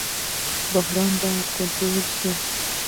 بحران باید کنټرول شي